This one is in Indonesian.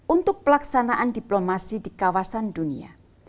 untuk pelaksanaan diplomasi di kawasan dunia